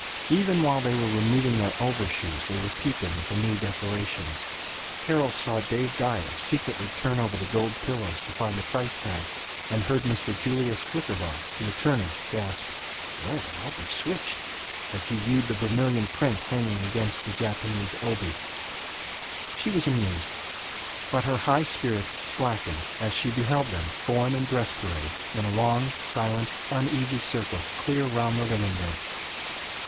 Even while they were removing their overshoes they were peeping at the new decorations. Carol saw Dave Dyer secretively turn over the gold pillows to find a price tag, and heard Mr. Julius Flickerbaugh, the attorney, gasp, "Well, I'll be switched," as he viewed the vermilion print hanging against the Japanese obi. She was amused. But her high spirits slackened as she beheld them form in dress parade, in a long, silent, uneasy circle clear round the living room.